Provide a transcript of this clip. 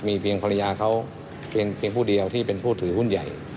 เพียงภรรยาเขาเพียงผู้เดียวที่เป็นผู้ถือหุ้นใหญ่